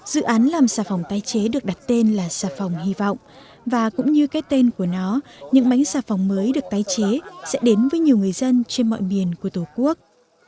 dự án làm xà phòng tái chế được đặt tên là xà phòng hy vọng và cũng như cái tên của nó những bánh xà phòng mới được tái chế sẽ đến với nhiều người dân trên mọi miền của tổ quốc